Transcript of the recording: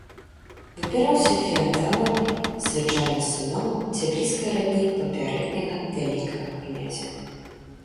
Выбіраўся феадаламі, звычайна з сыноў ці блізкай радні папярэдняга вялікага князя.